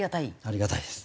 ありがたいです。